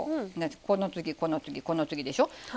この次、この次、この次でしょ。